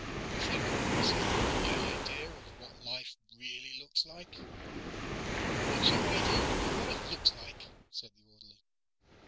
"You think this is my idea of what life really looks like?" "What's your idea of what life looks like?" said the orderly.